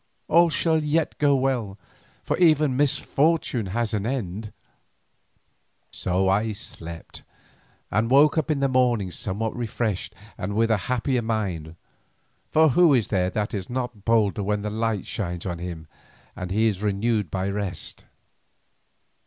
All shall yet go well, for even misfortune has an end." So I slept, and woke in the morning somewhat refreshed and with a happier mind, for who is there that is not bolder when the light shines on him and he is renewed by rest?